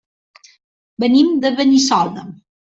Venim de Benissoda.